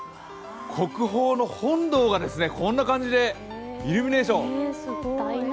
国宝の本堂がこんな感じでイルミネーション。